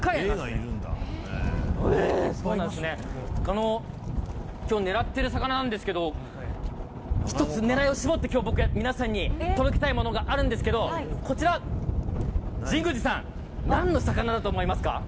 この、きょう狙っている魚なんですけど、１つ狙いを絞ってきょう僕、皆さんに届けたいものがあるんですけど、こちら、神宮寺さん、なんの魚だと思いますか？